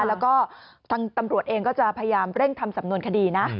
แล้วก็ทางตำรวจเองก็จะพยายามเร่งทำสำนวนคดีนะ